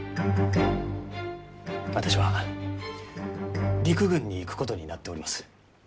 私は陸軍に行くことになっております。